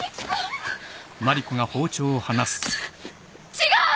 違う！